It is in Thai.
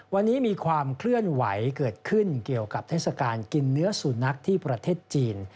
วันนี้มีความเคลื่อนไหวเกิดขึ้นเกี่ยวกับเทศกาลกินเนื้อสุนัขที่ประเทศจีน